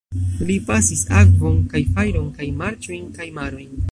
Li pasis akvon kaj fajron kaj marĉojn kaj marojn.